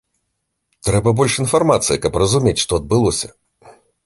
Трэба больш інфармацыі, каб разумець, што адбылося.